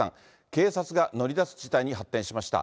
警察が乗り出す事態に発展しました。